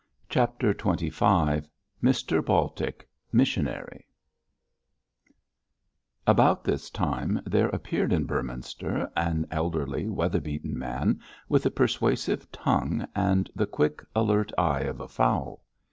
what of the future?' CHAPTER XXV MR BALTIC, MISSIONARY About this time there appeared in Beorminster an elderly, weather beaten man, with a persuasive tongue and the quick, alert eye of a fowl.